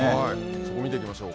そこを見ていきましょう。